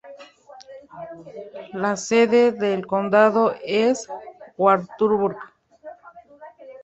La sede del condado es Wartburg.